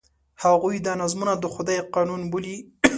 هغوی دا نظمونه د خدای قانون بولي.